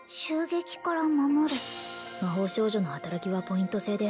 魔法少女の働きはポイント制で